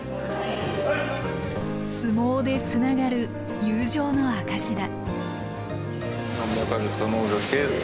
相撲でつながる友情の証しだ。